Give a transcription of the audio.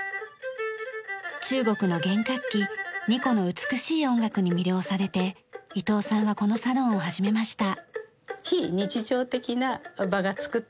中国の弦楽器二胡の美しい音楽に魅了されて伊藤さんはこのサロンを始めました。